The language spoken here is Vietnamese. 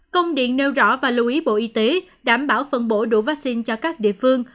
công điện nêu rõ và lưu ý bộ y tế đảm bảo phân bổ đủ vaccine cho các địa phương